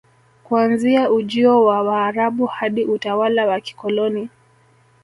Kuanzia ujio wa Waarabu hadi utawala wa kikoloni